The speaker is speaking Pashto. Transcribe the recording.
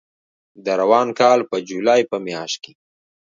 د روان کال په جولای په میاشت کې